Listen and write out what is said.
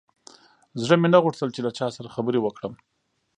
زړه مې نه غوښتل چې له چا سره خبرې وکړم.